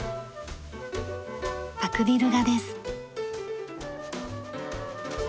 アクリル画です。